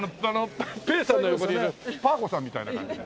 ペーさんの横にいるパー子さんみたいな感じで。